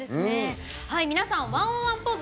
皆さん「１０１」のポーズ